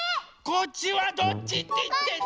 こっちはどっちっていってんの？